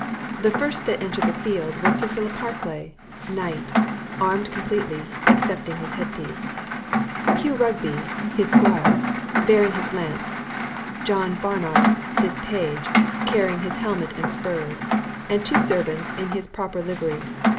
The first that entered the field, was Sir Philip Harclay, knight, armed completely, excepting his head piece; Hugh Rugby, his esquire, bearing his lance; John Barnard, his page, carrying his helmet and spurs; and two servants in his proper livery.